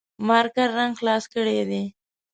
مارکر رنګ خلاص کړي دي